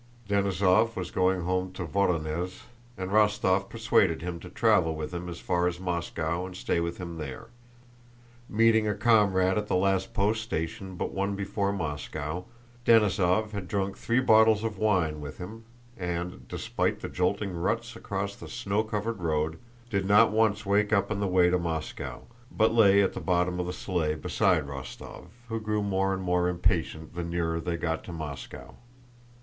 Denísov was going home to Vorónezh and Rostóv persuaded him to travel with him as far as Moscow and to stay with him there. Meeting a comrade at the last post station but one before Moscow, Denísov had drunk three bottles of wine with him and, despite the jolting ruts across the snow covered road, did not once wake up on the way to Moscow, but lay at the bottom of the sleigh beside Rostóv, who grew more and more impatient the nearer they got to Moscow.